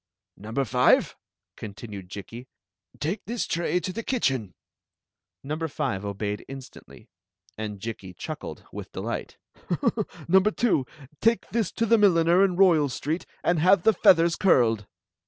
"Number five," continued Jikki, "take this tray to the kitchen:" Number five obeyed instandy, and Jikki chuckled with delight " Number two, take this to the milliner in Royal Street, and have the feathers curled."